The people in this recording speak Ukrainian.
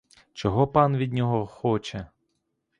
Чого пан від нього хоче?